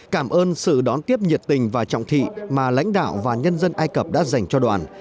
cảm ơn sự đón tiếp nhiệt tình và trọng thị mà lãnh đạo và nhân dân ai cập đã dành cho đoàn